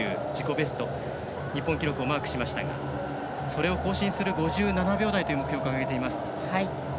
ベスト日本記録をマークしましたがそれを更新する５７秒台という目標を掲げています。